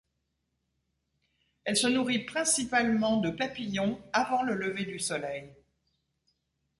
Elle se nourrit principalement de papillons avant le lever du soleil.